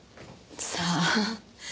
さあ。